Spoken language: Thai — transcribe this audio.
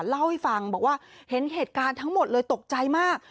เล่าให้ฟังบอกว่าเห็นเหตุการณ์ทั้งหมดเลยตกใจมาก